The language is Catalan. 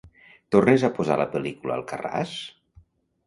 Tornes a posar la pel·lícula "Alcarràs"?